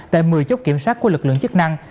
tại một mươi chốt kiểm soát của lực lượng chức năng